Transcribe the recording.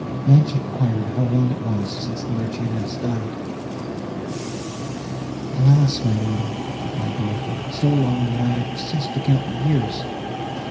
Blanche enquired how long it was, since the Marchioness died? "Alas! my lady," replied Dorothée, "so long—that I have ceased to count the years!